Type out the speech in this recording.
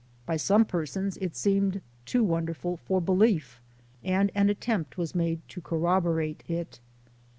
By some persons it seemed too wonderful for belief, and an attempt was made to corroborate it.